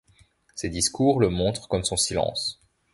Ses discours le montrent comme son silence.